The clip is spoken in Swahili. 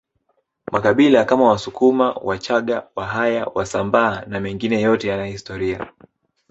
makabila Kama wasukuma wachaga wahaya wasambaa na mengine yote yana historia